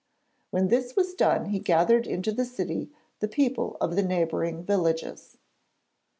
When this was done he gathered into the city the people of the neighbouring villages.